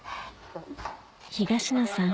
東野さん